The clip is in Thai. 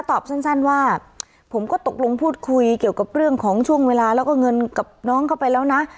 ตอบสั้นว่าผมก็ตกลงพูดคุยเกี่ยวกับเรื่องของช่วงเวลาแล้วก็เงินกับน้องเข้าไปแล้วนะ